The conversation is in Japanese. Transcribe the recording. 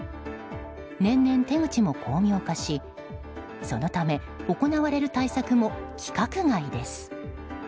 年々、手口も巧妙化しそのため行われる対策も規格外です。